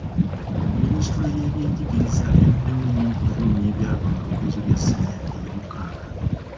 Minisitule y'ebyenjigiriza eruddewo nnyo okufulumya ebyava mu bigezo bya siniya eyomukaaga.